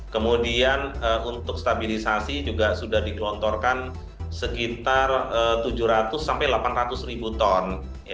kemudian untuk stabilisasi juga sudah digelontorkan sekitar tujuh ratus sampai delapan ratus ribu ton